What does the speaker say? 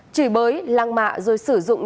chỉ bới lăng mạ rồi sử dụng